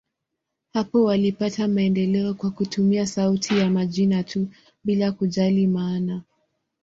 Hapo walipata maendeleo kwa kutumia sauti ya majina tu, bila kujali maana.